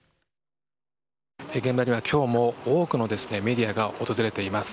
現場には今日も多くのメディアが訪れています。